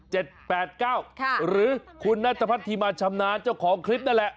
หรือคุณนัทพัฒนธิมาชำนาญเจ้าของคลิปนั่นแหละ